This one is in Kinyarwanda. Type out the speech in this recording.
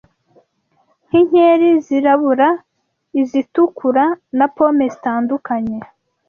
nk’inkeri zirabura, izitukura, na pome zitandukanye